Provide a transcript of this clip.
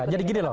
jadi gini loh